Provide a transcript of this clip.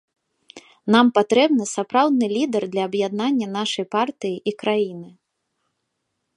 Нам патрэбны сапраўдны лідар для аб'яднання нашай партыі і краіны.